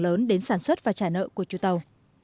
lớn đến sản xuất và trả nợ của chủ tàu